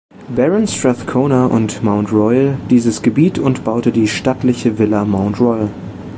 Baron Strathcona and Mount Royal, dieses Gebiet und baute die stattliche Villa Mount Royal.